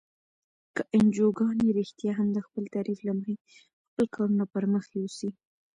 که انجوګانې رښتیا هم د خپل تعریف له مخې خپل کارونه پرمخ یوسي.